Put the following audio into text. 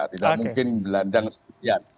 tidak mungkin berlandang sekian